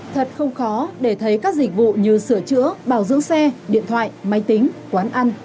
thật không khó để thấy các dịch vụ như sửa chữa bảo dưỡng xe điện thoại máy tính quán ăn